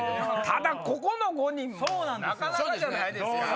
ただここの５人もなかなかじゃないですか？